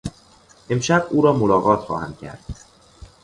امشب او را ملاقات خواهم کرد.